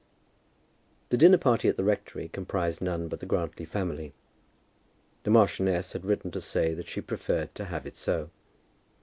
The dinner party at the rectory comprised none but the Grantly family. The marchioness had written to say that she preferred to have it so.